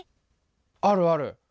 あるある！